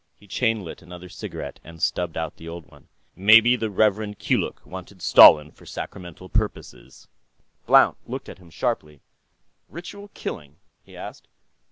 He chain lit another cigarette and stubbed out the old one. "Maybe the Rev. Keeluk wanted Stalin for sacramental purposes." Blount looked up sharply. "Ritual killing?" he asked.